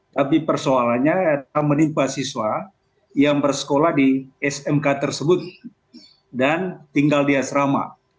tapi persoalannya adalah menimpa siswa yang bersekolah di smk tersebut dan tinggal di asrama